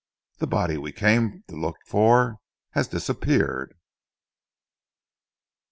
"The body we came to look for has disappeared."